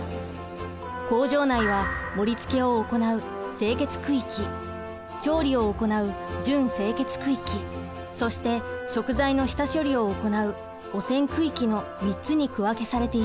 工場内は盛りつけを行う「清潔区域」調理を行う「準清潔区域」そして食材の下処理を行う「汚染区域」の３つに区分けされています。